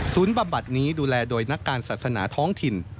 บำบัดนี้ดูแลโดยนักการศาสนาท้องถิ่น